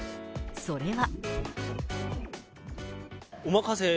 それは。